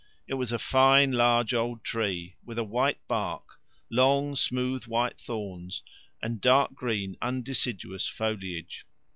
It was a fine large old tree, with a white bark, long smooth white thorns, and dark green undeciduous foliage.